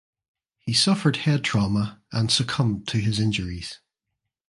He suffered head trauma and succumbed to his injuries.